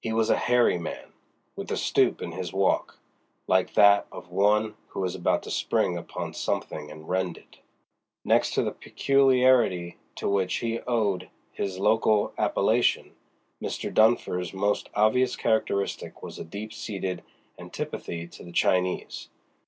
He was a hairy man, with a stoop in his walk, like that of one who is about to spring upon something and rend it. Next to the peculiarity to which he owed his local appellation, Mr. Dunfer's most obvious characteristic was a deep seated antipathy to the Chinese.